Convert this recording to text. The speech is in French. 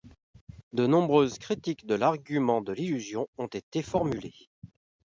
De nombreuses critiques de l'argument de l'illusion ont été formulées.